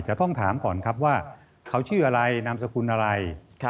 จะต้องถามก่อนครับว่าเขาชื่ออะไรนามสกุลอะไร